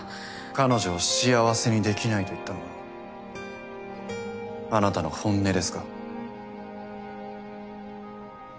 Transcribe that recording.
彼女を幸せにできないと言ったのはあなたの本音ですか？